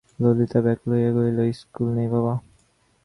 ললিতা ব্যাকুল হইয়া কহিল, ইস্কুল নেই বাবা?